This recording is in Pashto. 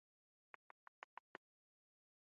بانجڼ په افغاني کلتور کښي یو خوندور خواړه دي.